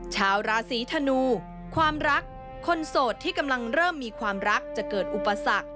ชาวราศีธนูความรักคนโสดที่กำลังเริ่มมีความรักจะเกิดอุปสรรค